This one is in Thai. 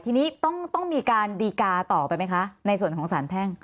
ทีนี้ต้องมีการดีกาต่อไปไหมคะในส่วนของสารแพ่ง